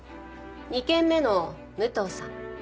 ２件目の武藤さん